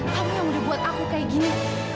kamu yang udah buat aku kayak gini